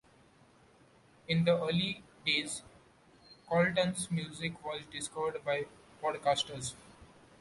In the early days, Coulton's music was discovered by podcasters.